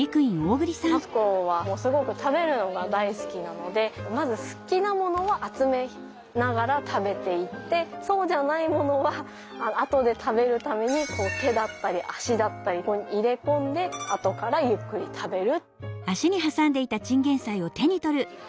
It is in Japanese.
マツコはすごく食べるのが大好きなのでまず好きなものは集めながら食べていってそうじゃないものは後で食べるために手だったり足だったり入れ込んで後からゆっくり食べる。